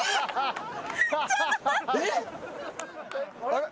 あれ？